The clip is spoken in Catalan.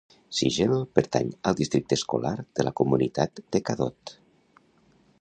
Sigel pertany al districte escolar de la comunitat de Cadott.